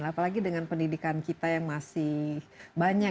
apalagi dengan pendidikan kita yang masih banyak